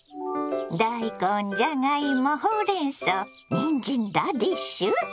大根じゃがいもほうれんそうにんじんラディッシュ！